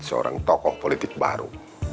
seorang tokoh politik baru